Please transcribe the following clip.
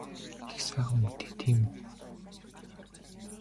Их сайхан мэдээ тийм үү?